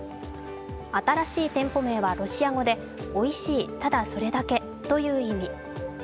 新しい店舗名はロシア語で「おいしい、ただそれだけ」という意味。